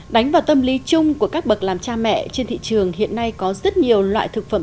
đánh vào tâm lý chung của các bậc làm cha mẹ trên thị trường hiện nay có rất nhiều loại thực phẩm